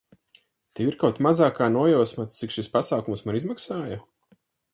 Tev ir kaut mazākā nojausma, cik šis pasākums man izmaksāja?